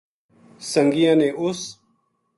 سنگیاں نے اس